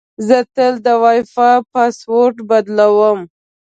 زه تل د وای فای پاسورډ بدلوم.